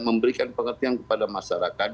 memberikan pengertian kepada masyarakat